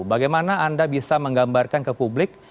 bagaimana anda bisa menggambarkan ke publik